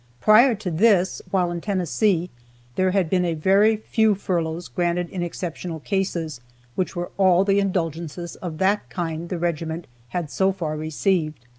Prior to this, while in Tennessee, there had been a very few furloughs granted in exceptional cases, which were all the indulgencies of that kind the regiment had so far received.